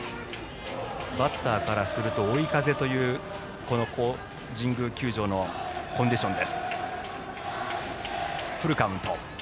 バッターからすると追い風というこの神宮球場のコンディション。